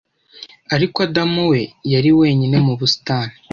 Ariko Adamu we yari wenyine mu busitani